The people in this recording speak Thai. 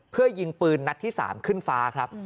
เพื่อยิงปืนนัดที่๓ขึ้นฟ้าครับ